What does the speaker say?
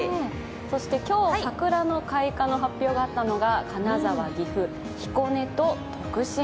そして、今日、桜の開花の発表があったのが金沢、岐阜、彦根と徳島。